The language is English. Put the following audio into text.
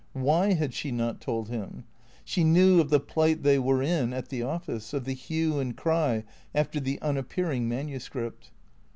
Why had she not told him? She knew of the plight they were in at the office, of the hue and cry after the unappearing manuscript.